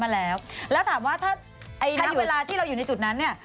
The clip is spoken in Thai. แล้วถามว่าเวลาที่เราอยู่ในจุดนั้นเนี่ย